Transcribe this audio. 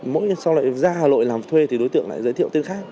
mỗi sau lại ra hà nội làm thuê thì đối tượng lại giới thiệu tên khác